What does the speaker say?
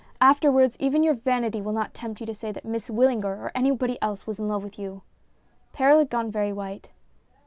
Afterwards, even your vanity will not tempt you to say that Miss Wyllinger or anybody else was in love with you." Perral had gone very white.